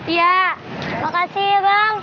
iya makasih ya bang